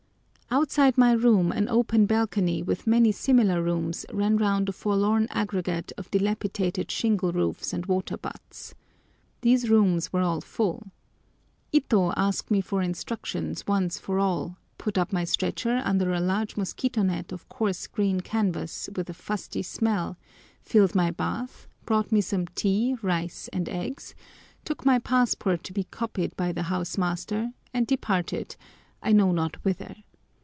Outside my room an open balcony with many similiar rooms ran round a forlorn aggregate of dilapidated shingle roofs and water butts. These rooms were all full. Ito asked me for instructions once for all, put up my stretcher under a large mosquito net of coarse green canvas with a fusty smell, filled my bath, brought me some tea, rice, and eggs, took my passport to be copied by the house master, and departed, I know not whither.